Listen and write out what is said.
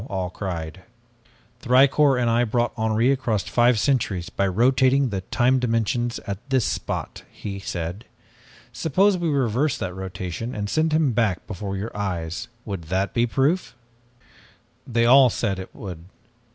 all cried. "'Thicourt and I brought Henri across five centuries by rotating the time dimensions at this spot,' he said. 'Suppose we reverse that rotation and send him back before your eyes would that be proof?' "They all said that it would.